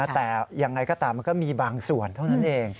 แต่ยังไงก็ตามมันก็มีบางส่วนเท่านั้นเอง